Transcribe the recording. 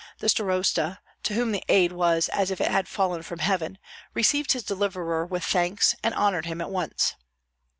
The starosta, to whom the aid was as if it had fallen from heaven, received his deliverer with thanks and honored him at once.